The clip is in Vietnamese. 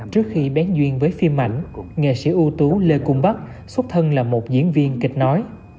trước khi bén duyên với phim ảnh nghệ sĩ ưu tú lê cung bắc xuất thân là một diễn viên kịch nói